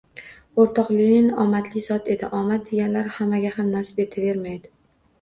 O’rtoq Lenin omadli zot edi. Omad deganlari hammaga ham nasib etavermaydi.